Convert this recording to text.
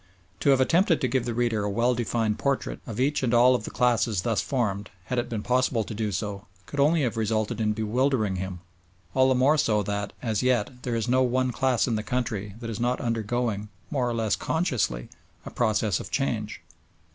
To have attempted to give the reader a well defined portrait of each and all of the classes thus formed had it been possible to do so could only have resulted in bewildering him; all the more so that, as yet, there is no one class in the country that is not undergoing, more or less consciously, a process of change.